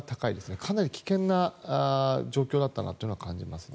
かなり危険な状況だったなというのは感じますね。